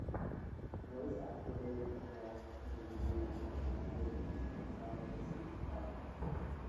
Voice activated commands can be used to initiate some of the suit's powers.